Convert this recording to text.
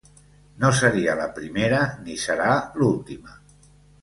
No seria la primera ni serà l'última.